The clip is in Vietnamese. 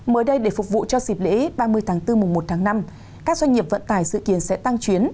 mới đây để phục vụ cho dịp lễ ba mươi bốn một năm các doanh nghiệp vận tải sự kiện sẽ tăng chuyến